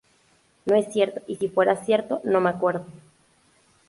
No es cierto, y si fuera cierto, no me acuerdo".